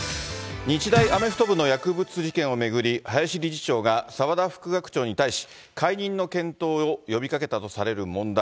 日大アメフト部の薬物事件を巡り、林理事長が澤田副学長に対し、解任の検討を呼びかけたとされる問題。